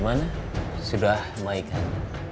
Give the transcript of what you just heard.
gimana sudah maikan